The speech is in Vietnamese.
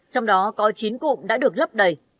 trong đó có chín cụm đã được lấp đầy